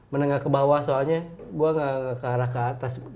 menengah ke bawah soalnya gue gak ke arah ke atas